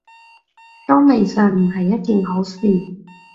都未嘗唔係一件好事